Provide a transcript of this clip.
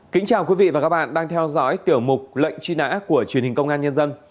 kính chào quý vị và các bạn đang theo dõi tiểu mục lệnh truy nã của truyền hình công an nhân dân